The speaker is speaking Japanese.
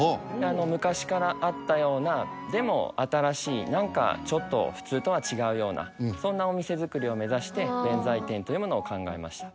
昔からあったようなでも新しい何かちょっと普通とは違うようなそんなお店づくりを目指して弁才天というものを考えました